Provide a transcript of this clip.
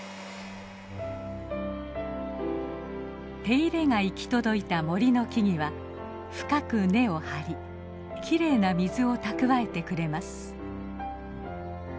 手入れが行き届いた森の木々は深く根を張りきれいな水を蓄えてくれます。